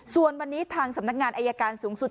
ส่วนวันนี้ทางสำนักงานอายการสูงสุด